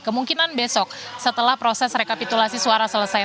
kemungkinan besok setelah proses rekapitulasi suara selesai